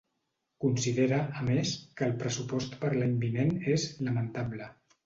Considera, a més, que el pressupost per l’any vinent és ‘lamentable’.